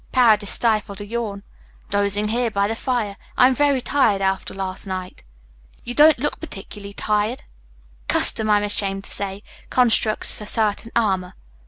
Paredes stifled a yawn. "Dozing here by the fire. I am very tired after last night." "You don't look particularly tired." "Custom, I'm ashamed to say, constructs a certain armour.